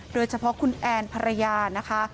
โดยเฉพาะคุณแอนภรรยานะคะ